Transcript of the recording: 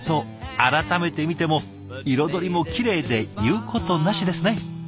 改めて見ても彩りもきれいで言うことなしですね！